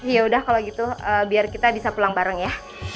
yaudah kalau gitu biar kita bisa pulang bareng ya